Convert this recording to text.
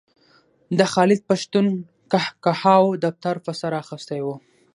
د خالد پښتون قهقهاوو دفتر په سر اخیستی و.